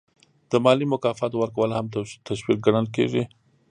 د مالي مکافاتو ورکول هم تشویق ګڼل کیږي.